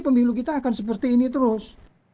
pemilu kita akan seperti ini terus